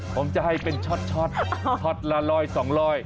ผมจะให้เป็นช็อตช็อตละร้อยสองร้อย